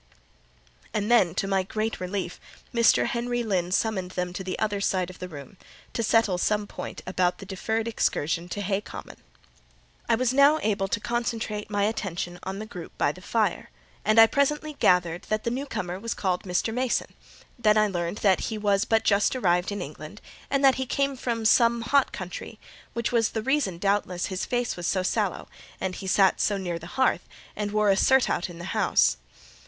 And then, to my great relief, Mr. Henry Lynn summoned them to the other side of the room, to settle some point about the deferred excursion to Hay Common. I was now able to concentrate my attention on the group by the fire, and I presently gathered that the new comer was called Mr. Mason; then I learned that he was but just arrived in England, and that he came from some hot country: which was the reason, doubtless, his face was so sallow, and that he sat so near the hearth, and wore a surtout in the house.